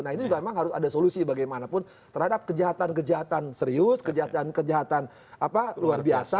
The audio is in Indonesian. nah ini juga memang harus ada solusi bagaimanapun terhadap kejahatan kejahatan serius kejahatan kejahatan luar biasa